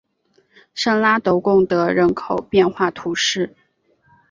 圣拉德贡德人口变化图示